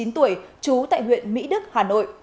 bốn mươi chín tuổi chú tại huyện mỹ đức hà nội